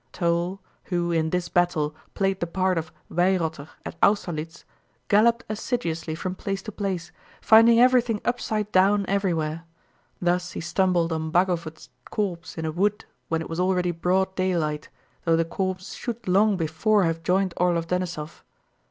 Toll, who in this battle played the part of Weyrother at Austerlitz, galloped assiduously from place to place, finding everything upside down everywhere. Thus he stumbled on Bagovút's corps in a wood when it was already broad daylight, though the corps should long before have joined Orlóv Denísov.